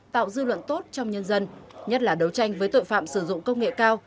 tạo dư luận tốt trong nhân dân nhất là đấu tranh với tội phạm sử dụng công nghệ cao